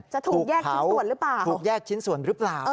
จะถูกเผาถูกแยกชิ้นส่วนหรือเปล่า